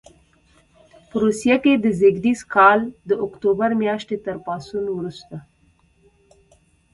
په روسیې کې د زېږدیز کال د اکتوبر میاشتې تر پاڅون وروسته.